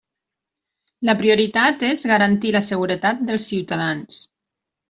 La prioritat és garantir la seguretat dels ciutadans.